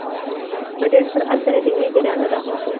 په ډېر سرعت سره د وینې جریان ته داخل شي.